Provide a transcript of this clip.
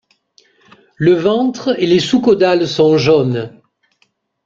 Le ventre et les sous-caudales sont jaunes.